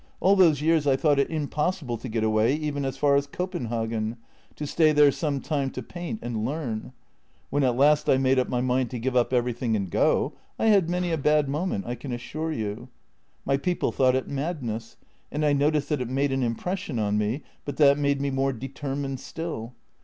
All those years I thought it impossible to get away, even as far as Copen hagen, to stay there some time to paint and learn. When at last I made up my mind to give up everything and go, I had many a bad moment, I can assure you. My people thought it madness, and I noticed that it made an impression on me, but that made me more determined still.